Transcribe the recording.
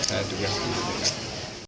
saya juga harap untuk berjaya